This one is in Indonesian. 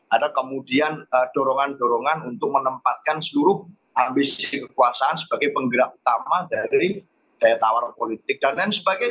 ada kemudian dorongan dorongan untuk menempatkan seluruh ambisi kekuasaan sebagai penggerak utama dari daya tawar politik dan lain sebagainya